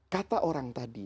kata orang tadi